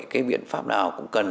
cái biện pháp nào cũng cần